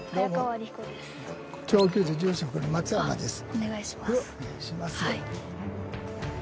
お願いします。